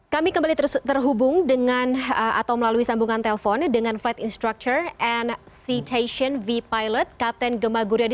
kami kembali terhubung dengan atau melalui sambungan telpon dengan flight instructor and cetacean v pilot kapten gemal guriyadi